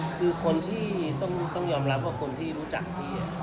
คือคนที่ต้องยอมรับว่าคนที่รู้จักพี่